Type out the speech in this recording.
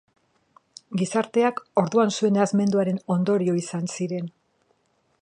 Gizarteak orduan zuen nahasmenduaren ondorio izan ziren.